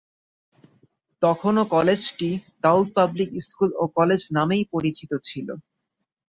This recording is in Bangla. তখনও কলেজটি দাউদ পাবলিক স্কুল ও কলেজ নামেই পরিচিত ছিল।